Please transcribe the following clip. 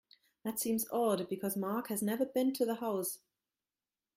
That seems odd because Mark has never been to the house.